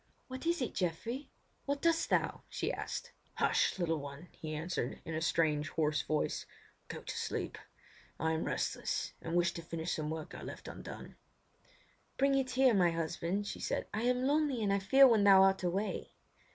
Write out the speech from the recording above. "What is it, Geoffrey? What dost thou?" she asked. "Hush! little one," he answered, in a strange, hoarse voice. "Go to sleep. I am restless, and wish to finish some work I left undone." "Bring it here, my husband," she said; "I am lonely and I fear when thou art away."